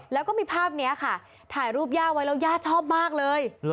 แล้วก็มีภาพนี้ค่ะถ่ายรูปย่าไว้แล้วย่าชอบมากเลย